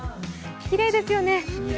きれいですよね。